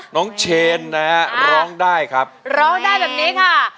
น้องเชนนะฮะร้องได้ครับร้องได้แบบนี้ค่ะ